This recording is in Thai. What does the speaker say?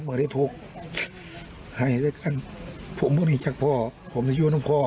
ไม่ได้ทุกข์หายเสียกันผมไม่มีชักพ่อผมจะอยู่ในพ่อ